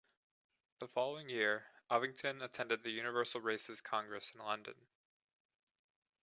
The following year Ovington attended the Universal Races Congress in London.